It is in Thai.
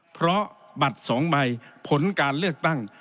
เพราะบัตร๒ใบผลการเลือกตั้ง